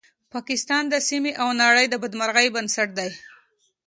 پاکستان د سیمې او نړۍ د بدمرغۍ بنسټ دی